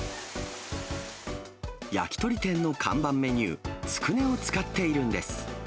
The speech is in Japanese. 焼き鳥店の看板メニュー、つくねを使っているんです。